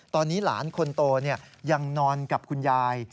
ตอนนี้หลานคนโตยังนอนกับคุณยาย